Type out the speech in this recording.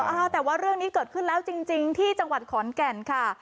เอาแต่ว่าเรื่องนี้เกิดขึ้นแล้วจริงที่จังหวัดขอนแก่นค่ะ